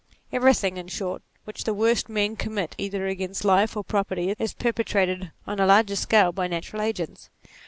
Everything in short, which the worst men commit either against life or property is perpetrated on a larger scale by natural agents.